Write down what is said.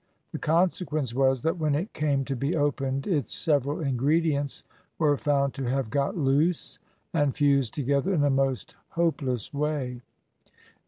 The consequence was, that when it came to be opened, its several ingredients were found to have got loose, and fused together in a most hopeless way.